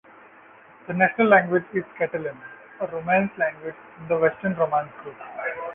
The national language is Catalan, a Romance language in the Western Romance group.